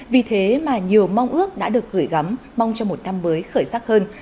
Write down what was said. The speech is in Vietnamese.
vì thế mà nhiều mong ước đã được gửi gắm mong cho một năm mới khởi sắc hơn